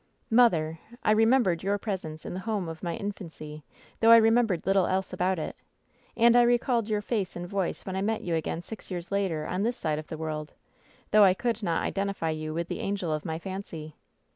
Mother I I remembered your presence in the home of my infancy, though I remembered little else about it ; and I recalled your face and voice when I met you again six years later on this other side of the world, though I could not identify you with the angel of my fancy.